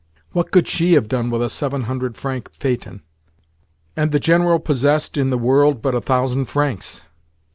What could she have done with a seven hundred franc phaeton?—and the General possessed in the world but a thousand francs!